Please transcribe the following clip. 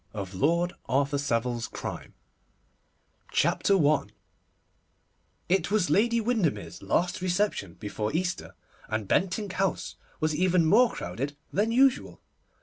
H. 145 LORD ARTHUR SAVILE'S CRIME A STUDY OF DUTY CHAPTER I IT was Lady Windermere's last reception before Easter, and Bentinck House was even more crowded than usual.